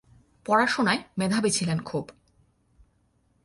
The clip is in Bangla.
পড়াশুনায় মেধাবী ছিলেন খুব।